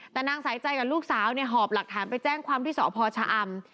แต่นางสายใจกับลูกสาวเนี่ยหอบหลักฐานไปแจ้งความที่สพชะอำ